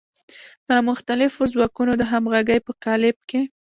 د مختلفو ځواکونو د همغږۍ په قالب کې.